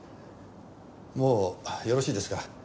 もうよろしいですか？